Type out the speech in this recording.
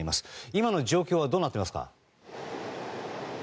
今の状況はどうなっていますか？